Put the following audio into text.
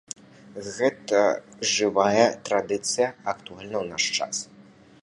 Гэта жывая традыцыя, актуальная ў наш час.